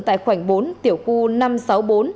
tại khoảnh bốn tiểu khu năm trăm sáu mươi bốn